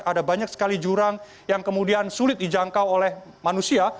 ada banyak sekali jurang yang kemudian sulit dijangkau oleh manusia